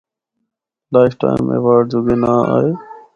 Life time award جوگے ناں آئے۔